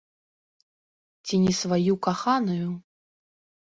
Ці не сваю каханую?